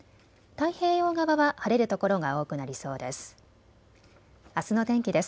太平洋側は晴れるところが多くなりそうです。